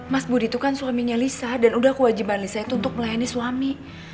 mas budi itu kan suaminya lisa dan udah kewajiban lisa itu untuk melayani suami